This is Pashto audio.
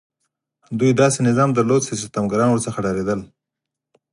دوی داسې نظام درلود چې ستمګران ورڅخه ډارېدل.